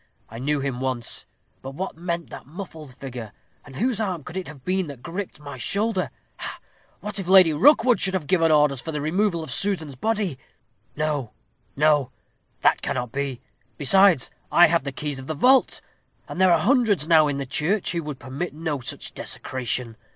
I knew him at once. But what meant that muffled figure; and whose arm could it have been that griped my shoulder? Ha! what if Lady Rookwood should have given orders for the removal of Susan's body? No, no; that cannot be. Besides, I have the keys of the vault; and there are hundreds now in the church who would permit no such desecration.